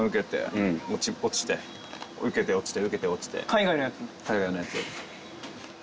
海外のやつ。